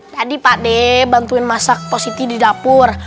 tadi pakde bantuin masak positi di dapur